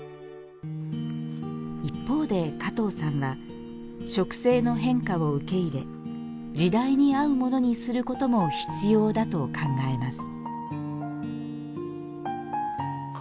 一方で、加藤さんは植生の変化を受け入れ時代に合うものにすることも必要だと考えます。